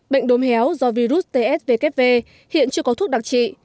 bệnh đốm héo do virus tsvkv hiện chưa có thuốc đặc trị